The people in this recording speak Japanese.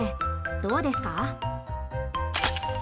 どうですか？